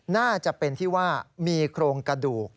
น่าจะเป็นที่ว่ามีโครงกระดูก